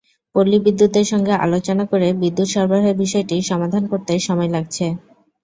পল্লী বিদ্যুতের সঙ্গে আলোচনা করে বিদ্যুৎ সরবরাহের বিষয়টি সমাধান করতে সময় লাগছে।